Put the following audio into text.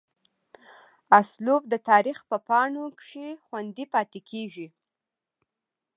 اسلوب دَ تاريخ پۀ پاڼو کښې خوندي پاتې کيږي